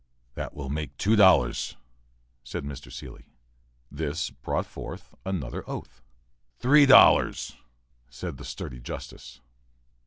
"That will make two dollars," said Mr. Seelye. This brought forth another oath. "Three dollars," said the sturdy justice.